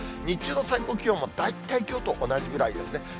日中の最高気温も、大体きょうと同じぐらいですね。